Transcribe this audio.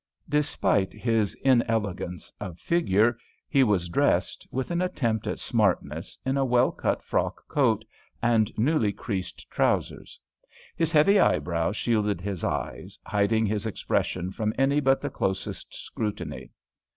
Despite his inelegance of figure, he was dressed, with an attempt at smartness, in a well cut frock coat and newly creased trousers. His heavy eyebrows shielded his eyes, hiding his expression from any but the closest scrutiny.